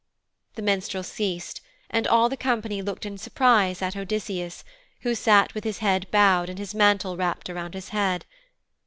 The minstrel ceased, and all the company looked in surprise at Odysseus, who sat with his head bowed and his mantle wrapped around his head.